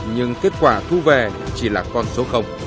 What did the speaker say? nhưng kết quả thu về chỉ là con số